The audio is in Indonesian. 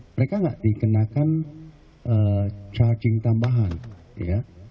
mereka nggak dikenakan charging tambahan ya